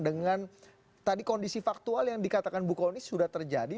dengan tadi kondisi faktual yang dikatakan bu kony sudah terjadi